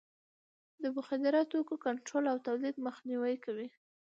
د مخدره توکو کنټرول او تولید مخنیوی کوي.